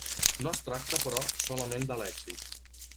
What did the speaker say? No es tracta, però, solament de lèxic.